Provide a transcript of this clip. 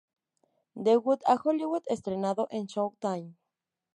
De Hood a Hollywood, estrenado en Showtime.